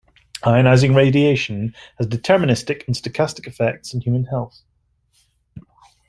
Ionizing radiation has deterministic and stochastic effects on human health.